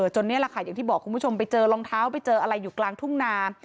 จนอย่างที่บอกคุณผู้ชมไปเจอรองเท้าไปเจออะไรอยู่กลางตุ้งนา